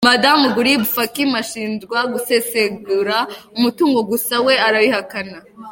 Madamu Gurib-Fakim ashinjwa gusesagura umutungo gusa we arabihakana.